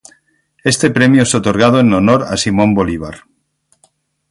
Este premio es otorgado en honor a Simón Bolívar.